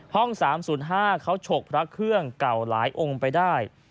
๓๐๕เขาฉกพระเครื่องเก่าหลายองค์ไปได้